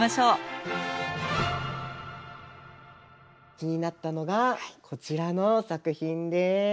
気になったのがこちらの作品です。